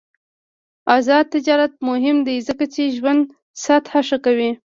آزاد تجارت مهم دی ځکه چې ژوند سطح ښه کوي.